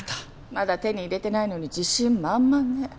まだ手に入れてないのに自信満々ね。